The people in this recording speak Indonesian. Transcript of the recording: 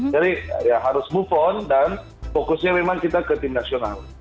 jadi harus move on dan fokusnya memang kita ke tim nasional